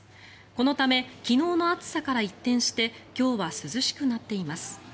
このため昨日の暑さから一転して今日は涼しくなっています。